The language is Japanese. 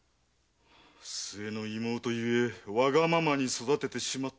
末の妹ゆえわがままに育ててしまったが。